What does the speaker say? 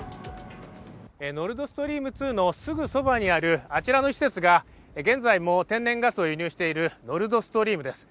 ノルドストリーム２のすぐそばにあるあちらの施設が、現在も天然ガスを輸入しているノルドストリームです。